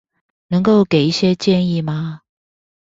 能夠給一些建議嗎